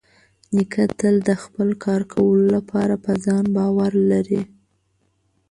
نیکه تل د خپل کار کولو لپاره په ځان باور لري.